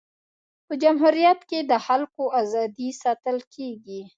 په جمهوریت کي د خلکو ازادي ساتل کيږي.